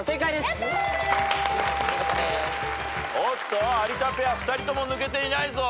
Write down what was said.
おっと有田ペア２人とも抜けていないぞ。